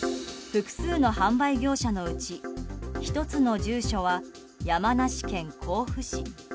複数の販売業者のうち１つの住所は山梨県甲府市。